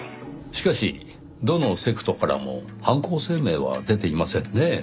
しかしどのセクトからも犯行声明は出ていませんねぇ。